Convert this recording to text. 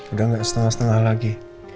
udah gak setengah setengah lagi